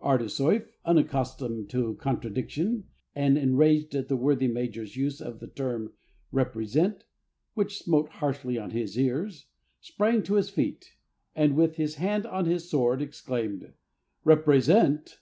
Ardesoif, unaccustomed to contradiction, and enraged at the worthy major's use of the term "represent," which smote harshly on his ears, sprang to his feet, and, with his hand on his sword, exclaimed, "Represent!